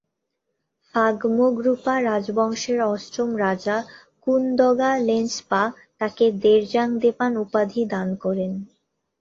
ফাগ-মো-গ্রু-পা রাজবংশের অষ্টম রাজা কুন-দ্গা'-লেগ্স-পা তাঁকে র্দ্জোং-দ্পোন উপাধি দান করেন।